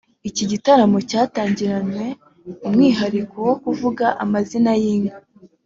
Iki gitaramo cyatangiranye umwihariko wo kuvuga amazina y’inka